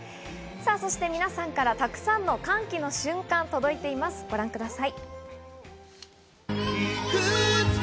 そして皆さんから、たくさんの歓喜の瞬間、届いています、ご覧ください。